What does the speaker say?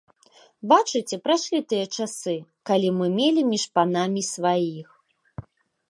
Бачыце, прайшлі тыя часы, калі мы мелі між панамі сваіх.